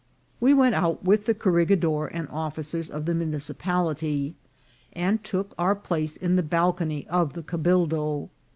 "We went out with the corregidor and officers of the municipality, and took our place in the balcony of the cabildo.